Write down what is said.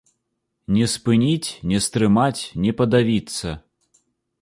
Не спыніць, не стрымаць, не падавіцца.